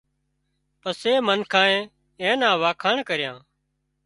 پسي منکانئي اين نا وکاڻ ڪريان